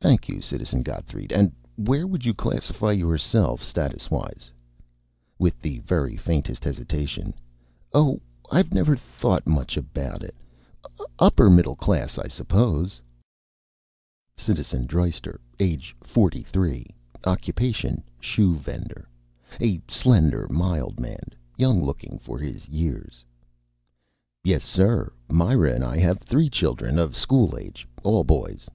"Thank you, Citizen Gotthreid. And where would you classify yourself statuswise?" (With the very faintest hesitation). "Oh, I've never thought much about it upper middle, I suppose." (Citizen Dreister, age 43, occupation shoe vendor. A slender, mild man, young looking for his years.) "Yes, sir. Myra and I have three children of school age. All boys."